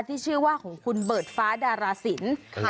ที่ชื่อว่าของคุณเบิดฟ้าดาราศิลป์